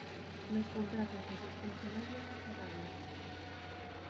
Los contratos de sus funcionarios se cerraron.